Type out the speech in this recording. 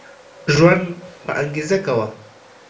ژوند په انګيزه کوه